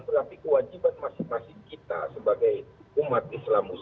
berarti kewajiban masing masing kita sebagai umat islam muslim